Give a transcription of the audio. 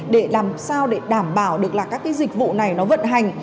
để làm sao để đảm bảo được là các cái dịch vụ này nó vận hành